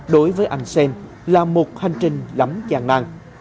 đối với anh sênh là một hành trình lắm gian năng